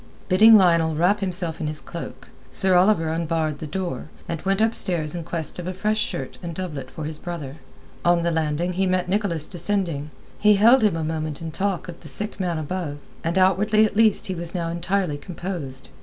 Bidding Lionel wrap himself in his cloak, Sir Oliver unbarred the door, and went upstairs in quest of a fresh shirt and doublet for his brother. On the landing he met Nicholas descending. He held him a moment in talk of the sick man above, and outwardly at least he was now entirely composed.